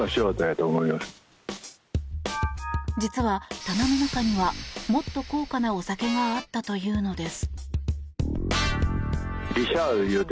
実は棚の中にはもっと高価なお酒があったというのです。